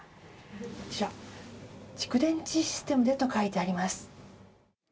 こちら、蓄電池システムでと書いてあります。